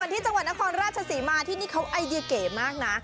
ที่จังหวัดนครราชศรีมาที่นี่เขาไอเดียเก๋มากนะ